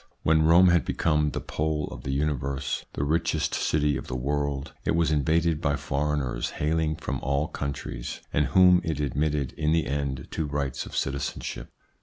When Rome had become the pole of the universe, the richest city of the world, it was invaded by foreigners hailing from all countries, and whom it admitted in the end to rights of citizenship.